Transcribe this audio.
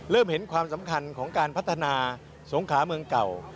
เริ่มเห็นความสำคัญของการพัฒนาสงขาเมืองเก่า